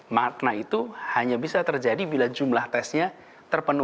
makna itu hanya bisa terjadi bila jumlah tesnya terpenuhi